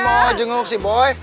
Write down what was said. oh mau jenguk sih boy